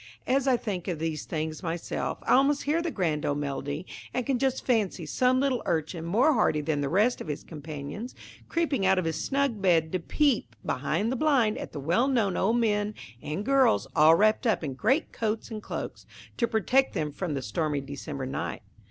As I think of these things myself, I almost hear the grand old melody; and can just fancy some little urchin, more hardy than the rest of his companions, creeping out of his snug bed to peep behind the blind at the well known old men and girls, all wrapped up in great coats and cloaks, to protect them from the stormy December night.